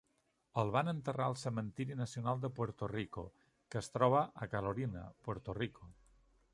El van enterrar al Cementiri nacional de Puerto rico, que es troba a Carolina, Puerto Rico.